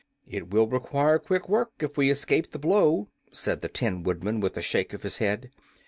"It will require quick work, if we escape the blow," said the Tin Woodman, with a shake of his head.